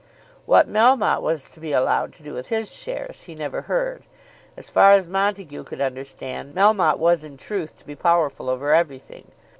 What Melmotte was to be allowed to do with his shares, he never heard. As far as Montague could understand, Melmotte was in truth to be powerful over everything.